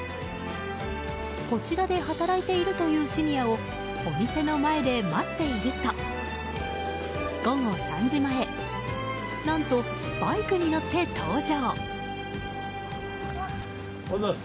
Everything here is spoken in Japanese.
こちらで働いているというシニアをお店の前で待っていると午後３時前何とバイクに乗って登場。